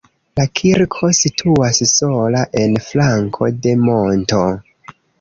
La kirko situas sola en flanko de monto.